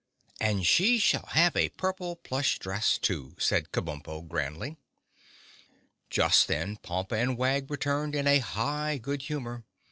"And she shall have a purple plush dress too," said Kabumpo grandly. Just then Pompa and Wag returned in a high good humor.